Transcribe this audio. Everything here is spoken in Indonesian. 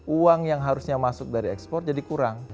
uang yang harusnya masuk dari ekspor jadi kurang